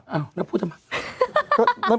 เอ้าแหละพูดทำไม